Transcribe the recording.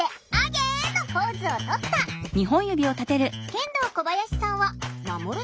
ケンドーコバヤシさんはまもる。